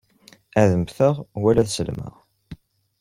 Ad mmteɣ wala ad sellmeɣ.